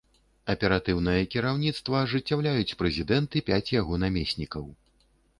Аператыўнае кіраўніцтва ажыццяўляюць прэзідэнт і пяць яго намеснікаў.